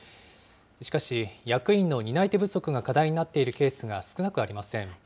しかし、役員の担い手不足が課題になっているケースが少なくありません。